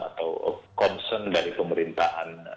atau konsen dari pemerintahan